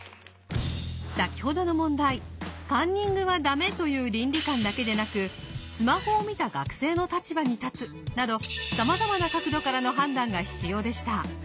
先ほどの問題カンニングはダメという倫理観だけでなくスマホを見た学生の立場に立つなどさまざまな角度からの判断が必要でした。